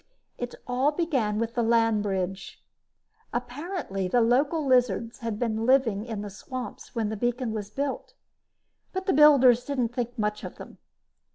It all began with the land bridge. Apparently the local lizards had been living in the swamps when the beacon was built, but the builders didn't think much of them.